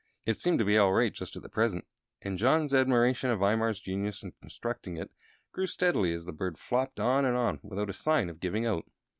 It seemed to be all right just at present, and John's admiration of Imar's genius in constructing it grew steadily as the bird flopped on and on without a sign of giving out.